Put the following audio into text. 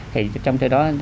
thì trong cái đó